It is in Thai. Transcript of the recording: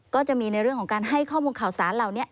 ก็จะมีในเรื่องของการให้ข้อมูลข่าวสารเหล่านี้